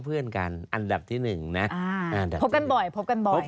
เพื่อนกันอันดับที่หนึ่งนะพบกันบ่อยพบกันบ่อย